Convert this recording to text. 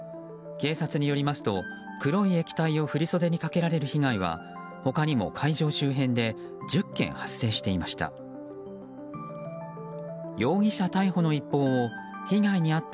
警察によりますと、黒い液体を振り袖にかけられる被害は他にも会場周辺で１０件発生していました。